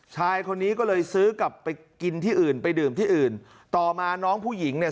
ชายคนนี้ก็เลยซื้อกลับไปกินที่อื่นไปดื่มที่อื่นต่อมาน้องผู้หญิงเนี่ย